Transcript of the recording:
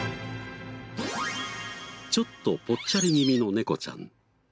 ちょっとぽっちゃり気味の猫ちゃん。